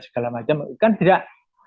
segala macam kan tidak